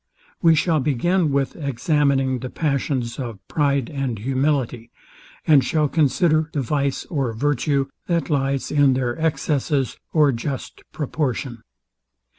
We shall begin with examining the passions of pride and humility, and shall consider the vice or virtue that lies in their excesses or just proportion.